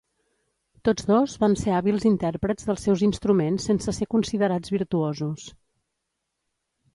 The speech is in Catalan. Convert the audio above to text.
Tots dos van ser hàbils intèrprets dels seus instruments sense ser considerats virtuosos.